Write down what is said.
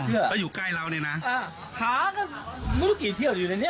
ก็อยู่ใกล้เราเนี่ยนะ